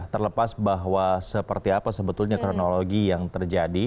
terlepas bahwa seperti apa sebetulnya kronologi yang terjadi